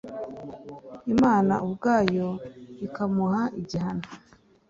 Imana ubwayo ikamuha igihano.